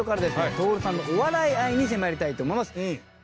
徹さんのお笑い愛に迫りたいと思います。